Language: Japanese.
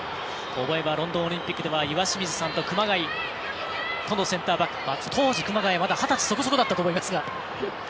ロンドンオリンピックでは岩清水さんと熊谷当時、熊谷、まだ二十歳そこそこだったと思いますが。